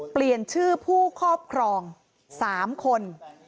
เปลี่ยนชื่อผู้ครอบครอง๓คน